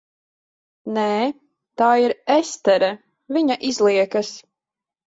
Nē. Tā ir Estere, viņa izliekas.